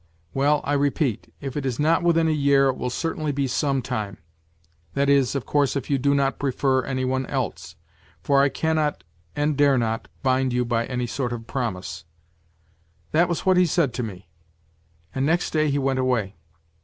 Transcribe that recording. Well, I repeat, if it is not within a year it will certainly be some time ; that is, of course, if you do not prefer any one else, for I cannot and dare not bind you by any sort of promise.' " That was what he said to me, and next day he went away.